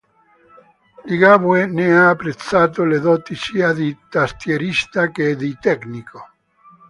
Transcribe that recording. Ligabue ne ha apprezzato le doti sia di tastierista che di tecnico.